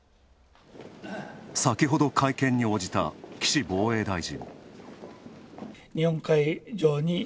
先ほど会見に応じた岸防衛大臣。